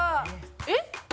「えっ？」